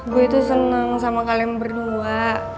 gue itu seneng sama kalian berdua